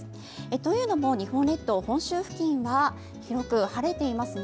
というのも日本列島本州付近は広く晴れていますね。